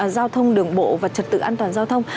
giao thông đường bộ và trật tự an toàn giao thông